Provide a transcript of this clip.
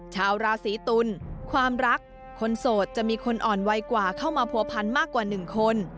ชาวราศีตุลความรักคนโสดจะมีคนอ่อนไวกว่าเข้ามาผัวพันมากกว่า๑คน